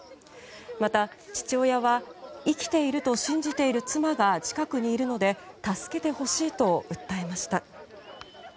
また、父親は生きていると信じている妻が近くにいるので助けてほしいと訴えました。